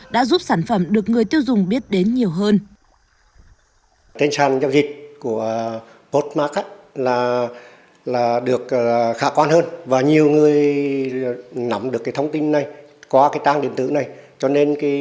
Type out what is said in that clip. đã giúp sản phẩm được người tiêu dùng biết đến nhiều hơn